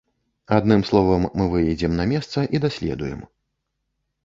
Адным словам, мы выедзем на месца і даследуем.